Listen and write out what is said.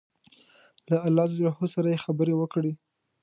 له الله جل جلاله سره یې خبرې وکړې.